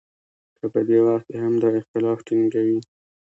که په دې وخت کې هم دا اختلاف ټینګوي.